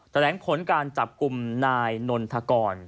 แถลงผลการจับกลุ่มนายนนทกร